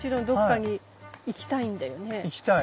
行きたい！